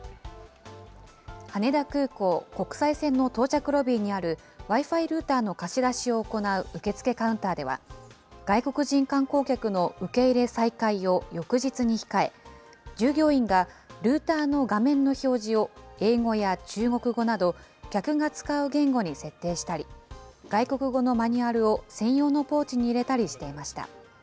羽田空港国際線の到着ロビーにある、Ｗｉ−Ｆｉルーターの貸し出しを行う受付カウンターでは外国人観光客の受け入れ再開を翌日に控え、従業員がルーターの画面の表示を英語や中国語など、客が使う言語に設定したり、外国語のマニュアルを専用のポーチに入れたりしていました。